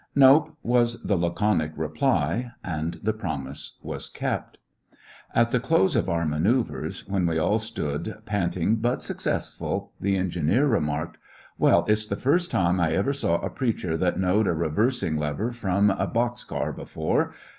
"Nope," was the laconic reply. And the promise was kept. At the close of our manoeuvres, when we all stood panting but successful, the engineer remarked : "Well, it 's the first time I ever saw a preacher that knowed a reversing lever from a box car before.